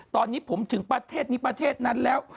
ตอนนี้ผมถึงประเทศนี้ประเทศนั้นแล้ว